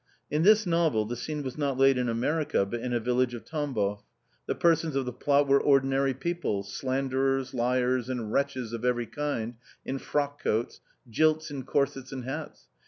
< In this novel the scene wa§ not laid in America, but in a village of Tambov ; the persons of the plot were ordinary people: slanderers, liars, and wretches of every kind in frockcoats, jilts in corsets and hats.